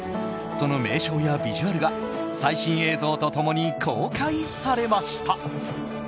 その名称やビジュアルが最新映像と共に公開されました。